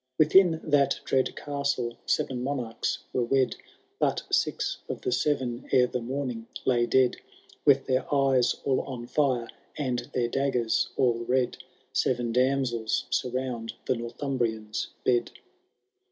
Within that dread castle sev^ monarchs were wed. But six of the seven ere the morning lay dead ; With their eyes all on fire, and their daggers all red, Seven damsels surround the Northumhrian*s bed.